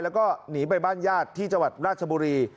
แล้วก็หนีไปบ้านญาติที่จังหวัดราชบุรี